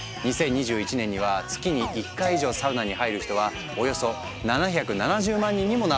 ２０２１年には月に１回以上サウナに入る人はおよそ７７０万人にもなっているんだとか。